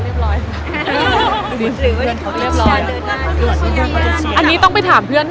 แต่ว่าบางทีเราก็ใช้ชีวิตเหมือนเดิม